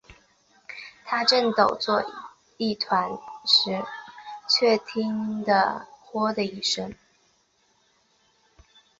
他正抖作一团时，却听得豁的一声